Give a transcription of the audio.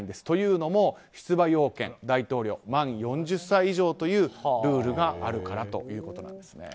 というのも、出馬要件大統領、満４０歳以上というルールがあるからということです。